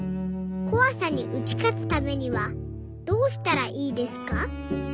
こわさに打ち勝つためにはどうしたらいいですか？」。